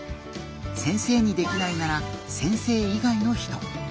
先生にできないなら先生以外の人。